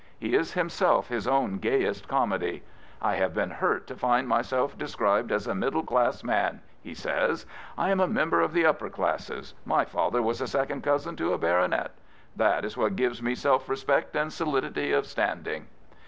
He is himself his own gayest comedy. " I have been hurt to find myself described as a middle class man," he says. " I am a member of the upper classes. My father was a second cousin to a baronet* That is what gives me self respect and solidity of standing."